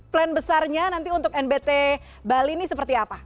plan besarnya nanti untuk nbt bali ini seperti apa